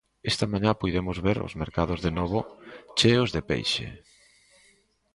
Esta mañá puidemos ver os mercados de novo cheos de peixe.